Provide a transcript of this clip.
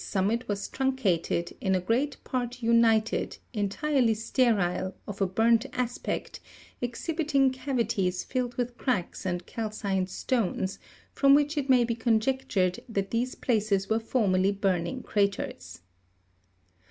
summit was truncated, in a great part ignited, entirely sterile, of a burnt aspect, exhibiting cavities filled with cracks and calcined stones ; from which it may be conjectured that these places were formerly burning craters.